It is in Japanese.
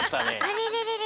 あれれれれ。